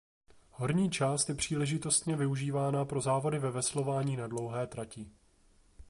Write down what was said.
Horní část je příležitostně využívána pro závody ve veslování na dlouhé trati.